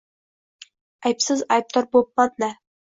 -Aybsiz aybdor bo’pmanda.